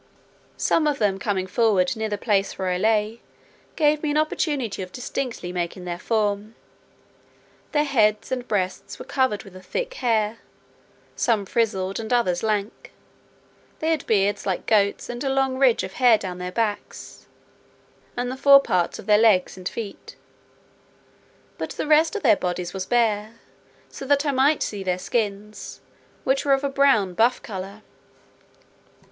Some of them coming forward near the place where I lay, gave me an opportunity of distinctly marking their form. Their heads and breasts were covered with a thick hair, some frizzled, and others lank; they had beards like goats, and a long ridge of hair down their backs, and the fore parts of their legs and feet; but the rest of their bodies was bare, so that I might see their skins, which were of a brown buff colour.